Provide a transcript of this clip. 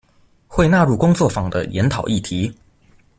會納入工作坊的研討議題